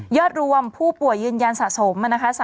ยอดรวมผู้ป่วยยืนยันสะสม